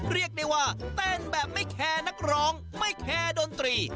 เรียกได้ว่าเต้นแบบไม่แคร์นักร้องไม่แคร์ดนตรี